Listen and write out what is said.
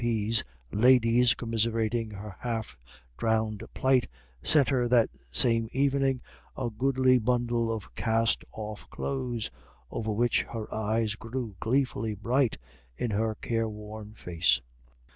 P.'s ladies, commiserating her half drowned plight, sent her that same evening a goodly bundle of cast off clothes, over which her eyes grew gleefully bright in her careworn face.